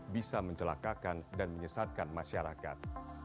bisa mencelakakan dan menyesatkan masyarakat